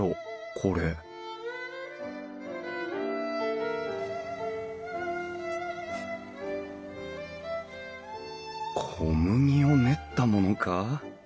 これ小麦を練ったものか？